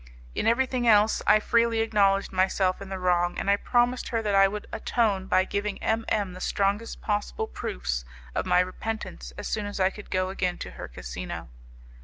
In everything else I freely acknowledged myself in the wrong, and I promised her that I would atone by giving M M the strongest possible proofs of my repentance as soon as I could go again to her casino.